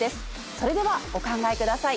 それではお考えください。